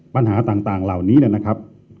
ปัญหาต่างเหล่านี้นะครับ